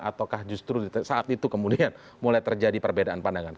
ataukah justru saat itu kemudian mulai terjadi perbedaan pandangan